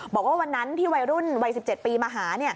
บอกว่าวันนั้นที่วัยรุ่นวัย๑๗ปีมาหา